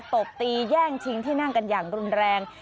ตบตีแย่งชิงที่นั่งกันอย่างรุนแรง